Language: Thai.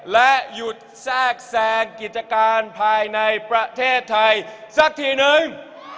และหยุดแทรกแซงกิจการภายในประเทศไทยสักทีนึง